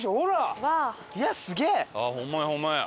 あっホンマやホンマや。